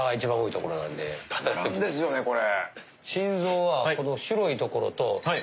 たまらんですよねこれ。